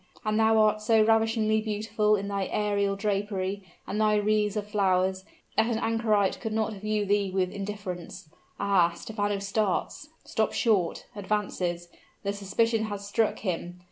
And thou art so ravishingly beautiful in thy aerial drapery, and thy wreaths of flowers, that an anchorite could not view thee with indifference! Ah! Stephano starts stops short advances: the suspicion has struck him!